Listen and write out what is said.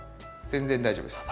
全然大丈夫です。